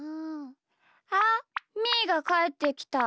あっみーがかえってきた。